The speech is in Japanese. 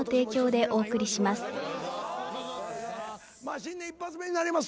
新年１発目になります。